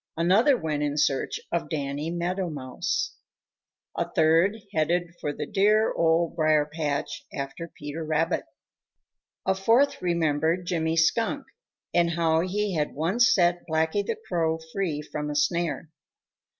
Another went in search of Danny Meadow Mouse. A third headed for the dear Old Briar patch after Peter Rabbit. A fourth remembered Jimmy Skunk and how he had once set Blacky the Crow free from a snare.